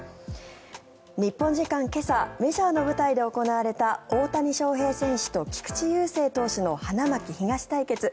日本時間今朝メジャーの舞台で行われた大谷翔平選手と菊池雄星投手の花巻東対決。